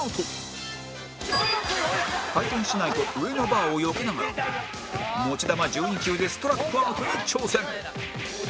回転竹刀と上のバーをよけながら持ち球１２球でストラックアウトに挑戦